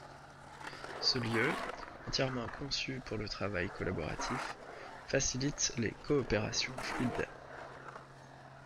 Ce lieu, entièrement conçu pour le travail collaboratif, facilite les coopérations fluides.